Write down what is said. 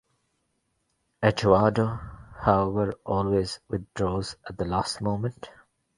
Eduardo however always withdraws at the last moment.